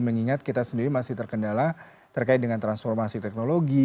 mengingat kita sendiri masih terkendala terkait dengan transformasi teknologi